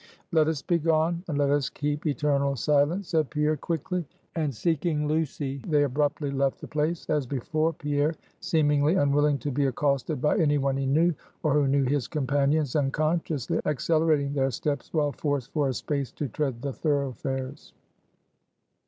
"Let us begone; and let us keep eternal silence," said Pierre, quickly; and, seeking Lucy, they abruptly left the place; as before, Pierre, seemingly unwilling to be accosted by any one he knew, or who knew his companions, unconsciously accelerating their steps while forced for a space to tread the thoroughfares.